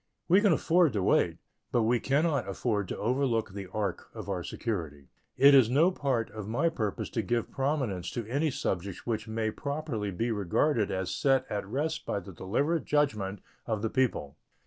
We can afford to wait, but we can not afford to overlook the ark of our security. It is no part of my purpose to give prominence to any subject which may properly be regarded as set at rest by the deliberate judgment of the people.